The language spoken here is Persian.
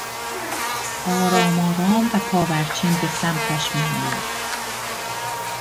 آرام آرام و پاورچین به سمتش می آید